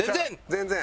全然！